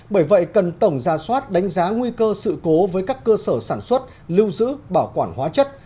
bởi vậy cần tổng ra soát đánh giá nguy cơ sự cố với các cơ sở sản xuất lưu giữ bảo quản hóa chất